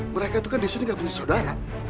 mereka tuh kan disini gak punya saudara